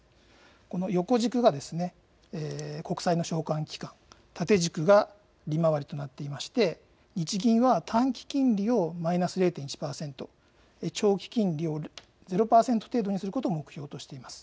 この横軸が国債の償還期間、縦軸が利回りとなっていまして、日銀は短期金利をマイナス０．１％、長期金利を０％程度にすることを目標としています。